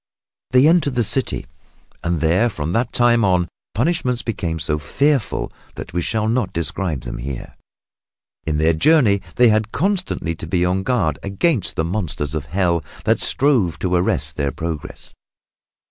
They entered the city and there and from that time on the punishments became so fearful that we shall not describe them here. In their journey they had constantly to be on their guard against the monsters of Hell that strove to arrest their progress.